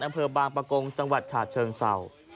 อำเภอบางประกงจังหวัดฉาเชิงเศร้า